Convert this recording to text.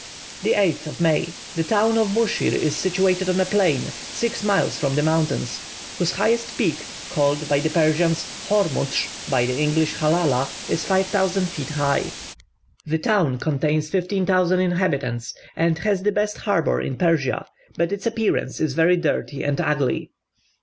8th May. The town of Buschir is situated on a plain six miles from the mountains, whose highest peak, called by the Persians Hormutsch, by the English Halala, is 5,000 feet high. The town contains 15,000 inhabitants, and has the best harbour in Persia; but its appearance is very dirty and ugly.